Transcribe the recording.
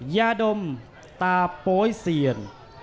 ยาดมตาโป๊ยเซียน